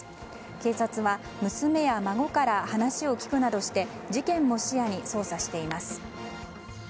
警察は娘や孫から話を聞くなどして事件も視野に捜査しています。